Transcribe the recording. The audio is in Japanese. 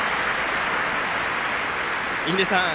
印出さん